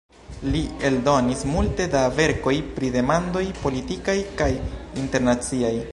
Li eldonis multe da verkoj pri demandoj politikaj kaj internaciaj.